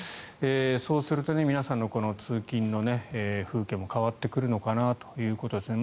そうすると皆さんの通勤の風景も変わってくるのかなということですね。